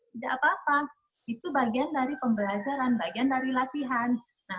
tidak apa apa itu bagian dari pembelajaran bagian dari latihan